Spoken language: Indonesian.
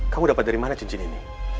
kamu dapat dari mana cincin ini